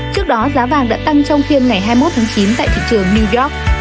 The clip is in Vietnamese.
trước đó giá vàng đã tăng trong phiên ngày hai mươi một tháng chín tại thị trường new york